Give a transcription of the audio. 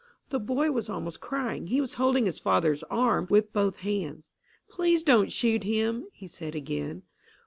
The boy was almost crying. He was holding his father's arm with both hands. "Please don't shoot him!" he said again.